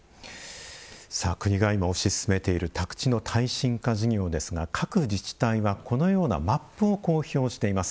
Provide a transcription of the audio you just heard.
国が推し進めている宅地の耐震化事業ですが各自治体は、このようなマップを公表しています。